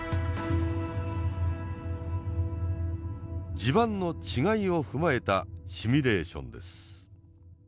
地盤の違いを踏まえたシミュレーションです。